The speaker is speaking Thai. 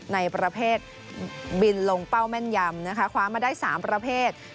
ในประเภทบินลงเป้าแม่นยำนะคะคว้ามาได้๓ประเภท